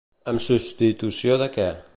En substitució de què?